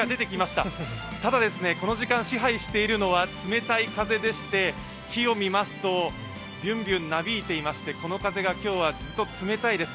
ただ、この時間、支配しているのは冷たい風でして木を見ますとびゅんびゅんなびいていましてこの風が今日はずっと冷たいです。